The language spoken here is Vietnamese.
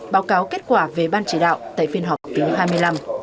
báo cáo kết quả về ban chỉ đạo tại phiên họp thứ hai mươi năm